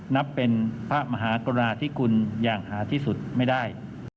นับเป็นพระมหากรุณาธิคุณอย่างหาที่สุดไม่ได้